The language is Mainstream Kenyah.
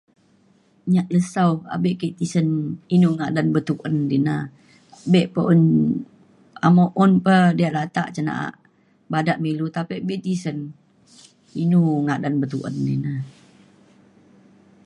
nyat lesau abe ke tisen inu ngadan bituen ina bek pa un amo un pa diak latak cin na'a bada me ilu tapi bek tisen inu ngadan bituen ina